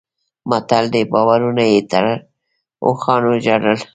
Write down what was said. متل دی: بارونه یې تړل اوښانو ژړل.